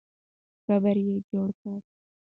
قبر یې جوړ کړه.